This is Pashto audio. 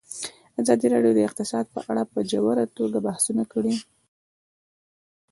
ازادي راډیو د اقتصاد په اړه په ژوره توګه بحثونه کړي.